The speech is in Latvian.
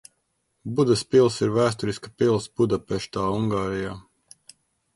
Budas pils ir vēsturiska pils Budapeštā, Ungārijā.